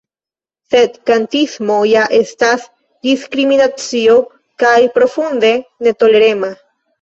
Sed kastismo ja estas diskriminacio, kaj profunde netolerema.